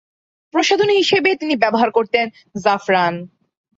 প্রসাধনী হিসেবে ব্যবহার করতেন জাফরান।